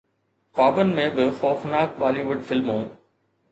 خوابن ۾ به خوفناڪ بالي ووڊ فلمون